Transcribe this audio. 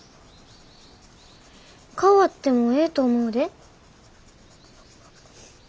変わってもええと思うで。